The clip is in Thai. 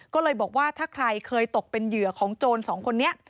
ก็เลยบอกว่าถ้าใครเคยตกเป็นเหยื่อของโจรสองคนนี้